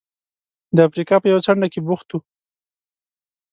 د افریقا په یوه څنډه کې بوخت و.